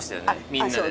みんなで。